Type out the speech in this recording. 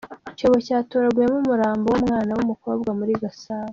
Icyobo cyatoraguwemo umurambo w’umwana w’umukobwa Muri Gasabo